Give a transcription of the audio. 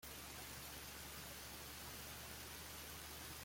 Nyirasafari Esperance